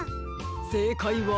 せいかいは。